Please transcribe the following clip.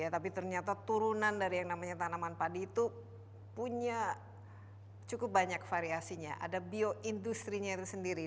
tapi ternyata turunan dari yang namanya tanaman padi itu punya cukup banyak variasinya ada bioindustrinya itu sendiri